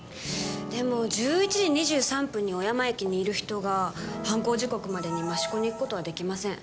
でも１１時２３分に小山駅にいる人が犯行時刻までに益子に行く事は出来ません。